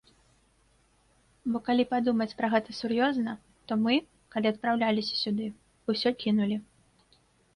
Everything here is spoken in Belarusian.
Бо калі падумаць пра гэта сур'ёзна, то мы, калі адпраўляліся сюды, усё кінулі.